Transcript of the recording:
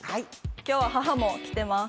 今日は母も来てます。